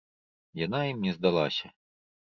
Яна ім не здалася.